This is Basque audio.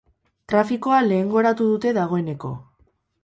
Trafikoa lehengoratu dute dagoeneko.